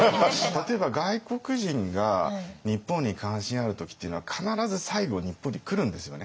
例えば外国人が日本に関心ある時っていうのは必ず最後日本に来るんですよね。